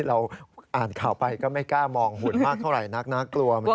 เราอ่านข่าวไปก็ไม่กล้ามองหุ่นมากเท่าไหร่นักน่ากลัวเหมือนกัน